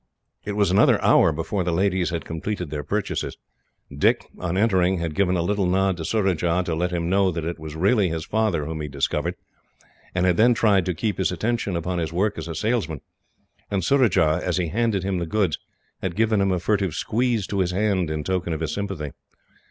It was another hour before the ladies had completed their purchases. Dick, on entering, had given a little nod to Surajah, to let him know that it was really his father whom he had discovered, and had then tried to keep his attention upon his work as a salesman; and Surajah, as he handed him the goods, had given a furtive squeeze to his hand in token of his sympathy.